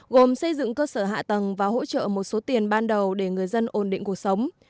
gồm xây dựng cơ sở hạ tầng và hỗ trợ một số tiền ban đầu để người dân ổn định cuộc sống